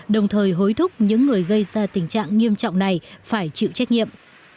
đồng thời hối thúc những người gây ra tình trạng nghiêm trọng này phải chịu trách nhiệm